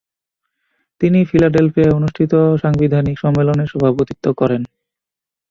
তিনি ফিলাডেলফিয়ায় অনুষ্ঠিত সাংবিধানিক সম্মেলনে সভাপতিত্ব করেন।